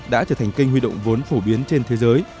đã trở thành kênh huy động vốn phổ biến trên thế giới